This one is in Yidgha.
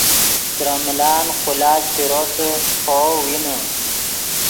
ترے ملان قولاچ چے روسے خوو وینے